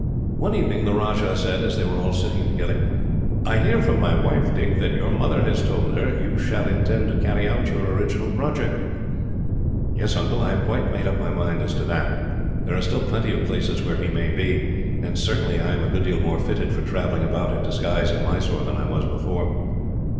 One evening the Rajah said, as they were all sitting together: "I hear from my wife, Dick, that your mother has told her you still intend to carry out your original project." "Yes, Uncle. I have quite made up my mind as to that. There are still plenty of places where he may be, and certainly I am a good deal more fitted for travelling about in disguise, in Mysore, than I was before."